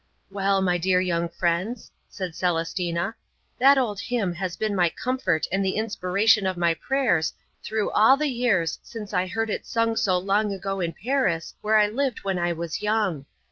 "Well, my dear young friends," said Celestina, "that old hymn has been my comfort and the inspiration of my prayers through all the years since I heard it sung so long ago in Paris where I lived when I was young.